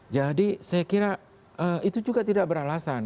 jadi saya kira itu juga tidak beralasan